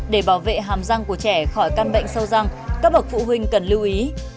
để bảo vệ hàm răng của trẻ khỏi căn bệnh sâu răng các bậc phụ huynh cần lưu ý